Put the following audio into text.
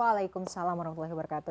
waalaikumsalam warahmatullahi wabarakatuh